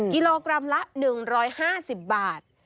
กิโลกรัมละ๑๕๐บาท